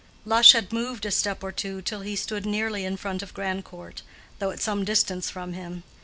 Lush had moved a step or two till he stood nearly in front of Grandcourt, though at some distance from him.